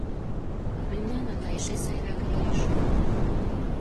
— Мемнан ала эше сайрак лиеш?